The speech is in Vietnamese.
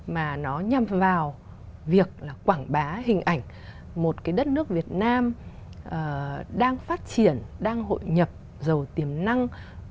mà nó nhằm vào việc là quảng bá hình ảnh một cái đất nước việt nam đang phát triển đang hội nhập giàu tiềm năng